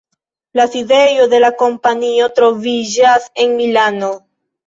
La sidejo de la kompanio troviĝas en Milano.